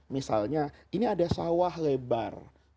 misalnya ini ada sawah lebar